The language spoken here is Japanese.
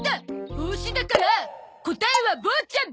帽子だから答えは「ボーちゃん」！